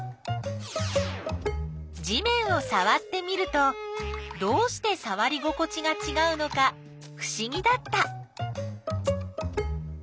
地面をさわってみるとどうしてさわり心地がちがうのかふしぎだった。